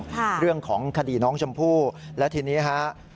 เรื่องของคดีน้องชมพู่และทีนี้ฮะ